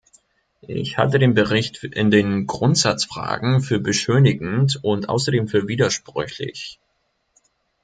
Ich halte den Bericht in den Grundsatzfragen für beschönigend und außerdem für widersprüchlich.